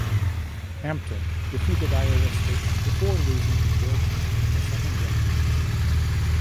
Hampton defeated Iowa State before losing to Georgetown in the second round.